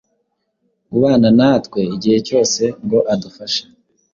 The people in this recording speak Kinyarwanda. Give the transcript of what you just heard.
ubana na twe igihe cyose ngo adufashe,